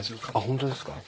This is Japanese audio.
本当ですか？